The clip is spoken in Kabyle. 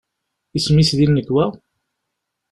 Isem-is di nnekwa?